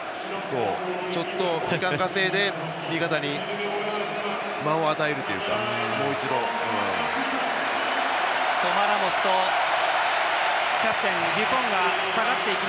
時間を稼いで味方に間を与えるというかもう一度という。